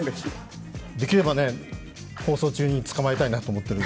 できれば、放送中に捕まえたいなと思って。